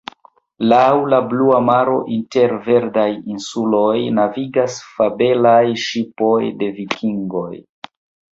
Laŭ la blua maro inter verdaj insuloj navigas fabelaj ŝipoj de vikingoj.